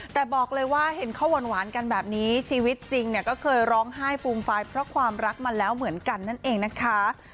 แต่บอกเลยว่าเห็นเขาหวานกันแบบนี้ชีวิตจริงเนี่ยก็เคยร้องไห้ฟูมฟายเพราะความรักมาแล้วเหมือนกันนั่นเองนะคะ